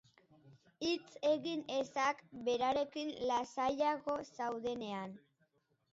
Hitz egin ezak berarekin lasaiago zaudenean.